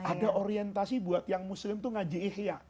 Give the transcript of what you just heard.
ada orientasi buat yang muslim itu ngaji ihya